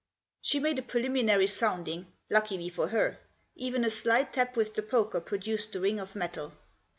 She made a preliminary sounding, luckily for her. Even a slight tap with the poker produced the ring of metal.